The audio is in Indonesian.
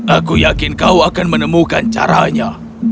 aku yakin kau akan menemukan caranya